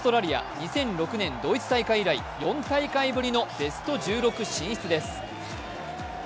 ２００６年、ドイツ大会以来、４大会ぶりのベスト１６進出です。